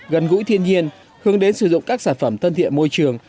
gần gũi thiên nhiên hướng đến sử dụng các sản phẩm thân thiện môi trường